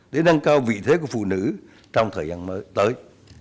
để nâng cao vị thế của phụ nữ trong thời gian mới tới